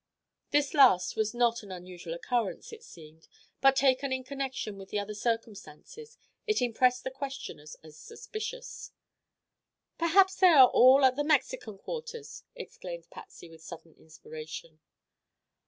This last was not an unusual occurrence, it seemed, but taken in connection with the other circumstances it impressed the questioners as suspicious. "Perhaps they are all at the Mexican quarters," exclaimed Patsy, with sudden inspiration.